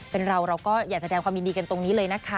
เป็นเราเราก็อยากแสดงความยินดีกันตรงนี้เลยนะคะ